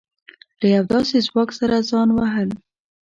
له يوه داسې ځواک سره ځان وهل.